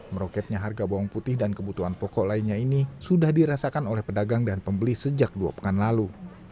meroketnya harga bawang putih dan kebutuhan pokok lainnya ini sudah dirasakan oleh pedagang dan pembeli sejak dua pekan lalu